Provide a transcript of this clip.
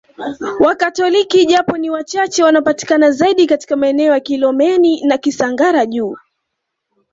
Wakatoliki japo ni wachache wanapatikana zaidi katika maeneo ya Kilomeni na Kisangara Juu